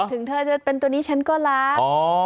ถึงเธอจะเป็นตัวนี้ฉันก็รัก